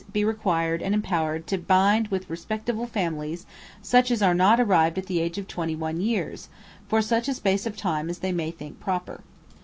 be required and empowered to bind with respectable families such as are not arrived at the age of twenty one years, for such a space of time as they may think proper.'